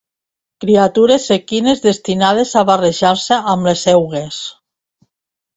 Criatures equines destinades a barrejar-se amb les eugues.